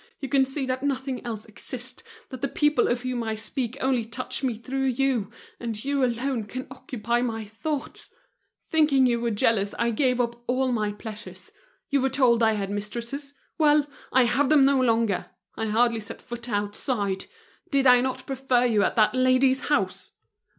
You can see that nothing else exists, that the people of whom I speak only touch me through you, and you alone can occupy my thoughts. Thinking you were jealous, I gave up all my pleasures. You were told I had mistresses; well! I have them no longer; I hardly set foot outside. Did I not prefer you at that lady's house?